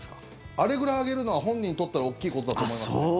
あれぐらい上げるのは本人にとっては大きいことだと思いますね。